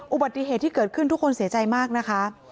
อุบัติเหตุที่เกิดขึ้นทุกคนเสียใจมากนะคะ